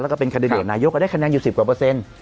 แล้วก็เป็นคันดิเดตนายกได้คะแนนอยู่๑๐กว่าเปอร์เซ็นต์